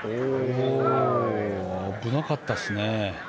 危なかったですね。